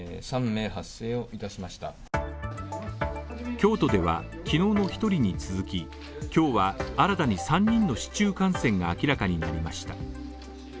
京都では、昨日の１人に続き、今日は新たに３人の市中感染が明らかになりました。